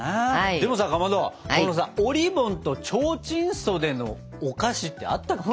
でもさかまどこのさおりぼんとちょうちん袖のお菓子ってあったっけ？